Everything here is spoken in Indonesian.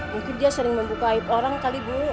mungkin dia sering membuka aib orang kali bu